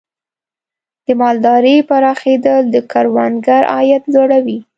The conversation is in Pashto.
د مالدارۍ پراخېدل د کروندګر عواید لوړوي.